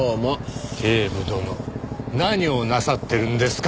警部殿何をなさってるんですか？